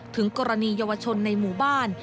ถึงกรณีเยาวชนในหมู่บ้าน